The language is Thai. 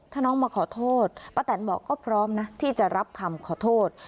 ถ้าน้องมาขอโทษป้าแตนบอกก็พร้อมนะที่จะรับคำขอโทษ